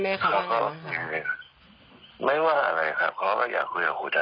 แม่เขาก็ไม่ว่าอะไรครับเขาก็อยากคุยกับขุนอ่ะ